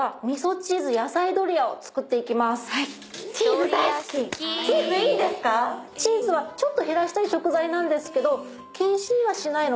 チーズはちょっと減らしたい食材なんですけど。